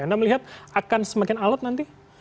anda melihat akan semakin alat nanti